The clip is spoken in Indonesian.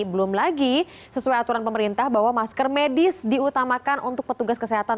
belum lagi sesuai aturan pemerintah bahwa masker medis diutamakan untuk petugas kesehatan